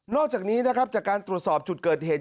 อกจากนี้นะครับจากการตรวจสอบจุดเกิดเหตุ